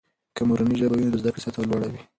که مورنۍ ژبه وي، نو د زده کړې سطحه لوړه وي.